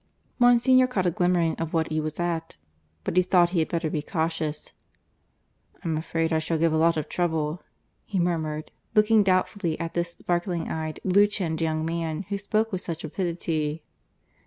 Monsignor caught a glimmering of what he was at. But he thought he had better be cautious. "I'm afraid I shall give a lot of trouble," he murmured, looking doubtfully at this sparkling eyed, blue chinned young man, who spoke with such rapidity.